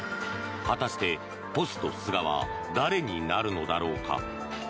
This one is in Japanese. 果たして、ポスト菅は誰になるのだろうか。